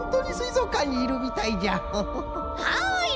はい！